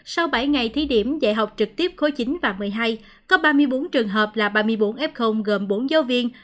sau bảy ngày thí điểm dạy học trực tiếp khối chín và một mươi hai có ba mươi bốn trường hợp là ba mươi bốn f gồm bốn giáo viên